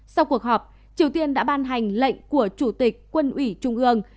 sau cuộc họp triều tiên đã ban hành lệnh của chủ tịch quân ủy trung ương